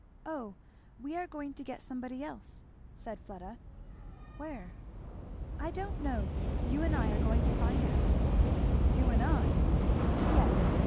"O we are going to get somebody else," said Fleda. "Where?" "I don't know! You and I are going to find out." "You and I! " "Yes.